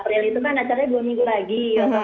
empat april itu kan acaranya dua minggu lagi